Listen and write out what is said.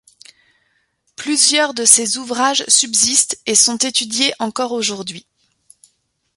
Plusieurs de ses ouvrages subsistent et sont étudiées encore aujourd'hui.